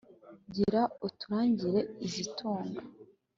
Gira uturangire izidutunga,